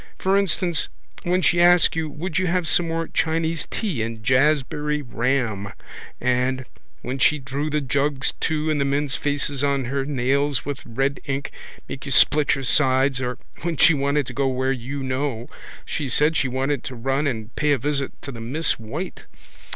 For instance when she asked you would you have some more Chinese tea and jaspberry ram and when she drew the jugs too and the men's faces on her nails with red ink make you split your sides or when she wanted to go where you know she said she wanted to run and pay a visit to the Miss White.